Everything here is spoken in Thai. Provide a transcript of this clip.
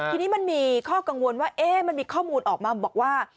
ทีนี้มันมีข้อกังวลว่ามันมีข้อมูลออกมาบอกว่า